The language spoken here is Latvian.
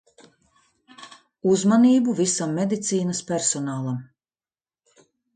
Uzmanību visam medicīnas personālam.